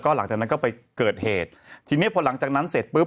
หลังจากนั้นก็ไปเกิดเหตุทีนี้พอหลังจากนั้นเสร็จปุ๊บ